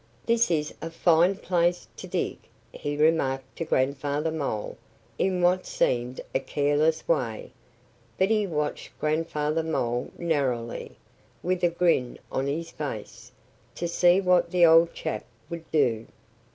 "This is a fine place to dig," he remarked to Grandfather Mole in what seemed a careless way. But he watched Grandfather Mole narrowly, with a grin on his face, to see what the old chap would do.